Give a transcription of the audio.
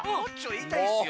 いいたいっすよ。